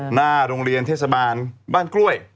หน้าโรงเรียนเทศบาลบ้านกล้วย